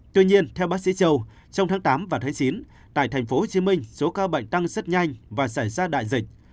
tuy nhiên theo bác sĩ châu trong tháng tám và tháng chín tại tp hcm số ca bệnh tăng rất nhanh và xảy ra đại dịch